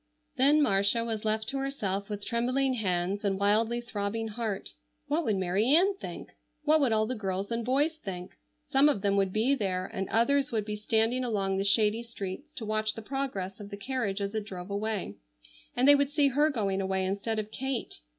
Then Marcia was left to herself with trembling hands and wildly throbbing heart. What would Mary Ann think! What would all the girls and boys think? Some of them would be there, and others would be standing along the shady streets to watch the progress of the carriage as it drove away. And they would see her going away instead of Kate.